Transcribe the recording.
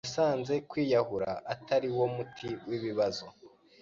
nasanze kwiyahura atari wo muti w’ibibazo